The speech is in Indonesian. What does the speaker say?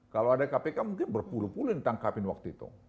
kalau ada kpk mungkin berpuluh puluh ditangkapin waktu itu